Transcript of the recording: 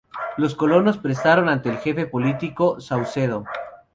Los colonos protestaron ante el Jefe político, Saucedo.